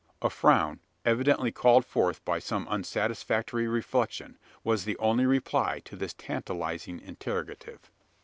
A frown, evidently called forth by some unsatisfactory reflection, was the only reply to this tantalising interrogative.